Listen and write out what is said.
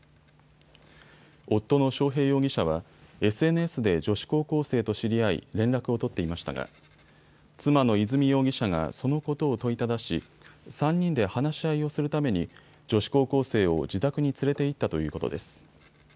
夫の章平容疑者はＳＮＳで女子高校生と知り合い連絡を取っていましたが妻の和美容疑者がそのことを問いただし３人で話し合いをするために女子高校生を自宅に連れて行ったということです。